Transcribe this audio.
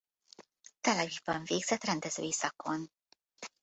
Tel Avivban végzett rendezői szakon.